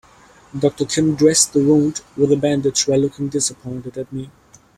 Doctor Kim dressed the wound with a bandage while looking disappointed at me.